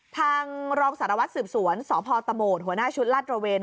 ทางรองศาลวัฒน์สืบสวนสพตหัวหน้าชุดลาดระเวน